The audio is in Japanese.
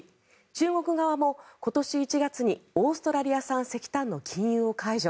中国側も今年１月にオーストラリア産石炭の禁輸を解除。